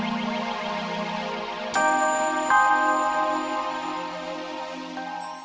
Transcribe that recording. mau kamu kok kayak orang kecapean gitu sih